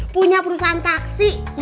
punya perusahaan taksi